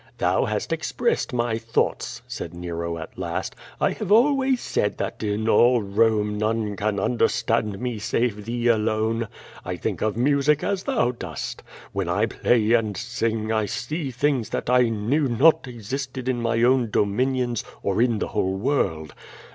"Thou hast expressed my thoughts," said Xero, at last. "I have always said that in all Rome none can un derstand me save thee alone. I think of music as thou dost. \Mien I play and sing I see things that I knew not existed in my own dominions or in the whole world.